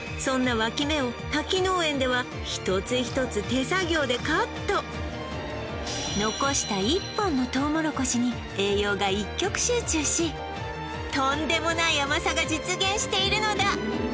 脇芽を滝農園では１つ１つ手作業でカット残した１本のトウモロコシに栄養が一極集中しとんでもない甘さが実現しているのだ